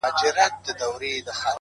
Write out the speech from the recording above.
علم د انسان هویت روښانه کوي’